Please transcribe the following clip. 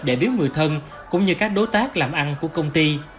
để biếu người thân cũng như các đối tác làm ăn của công ty